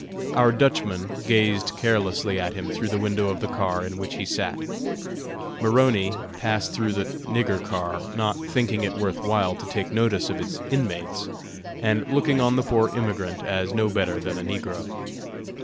Our Dutchman gazed carelessly at him through the window of the car in which he sat. Maroney passed through the "nigger car," not thinking it worth while to take notice of its inmates, and looking on the poor immigrant as no better than a negro.